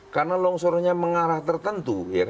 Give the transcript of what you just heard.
karena longsornya mengarah tertentu